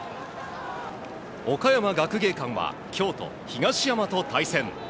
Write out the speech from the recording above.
岡山学芸館は京都・東山と対戦。